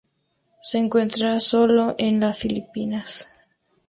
Se encuentra sólo en las Filipinas.